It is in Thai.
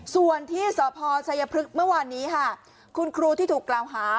ส่วนที่สพชัยพฤกษ์เมื่อวานนี้ค่ะคุณครูที่ถูกกล่าวหา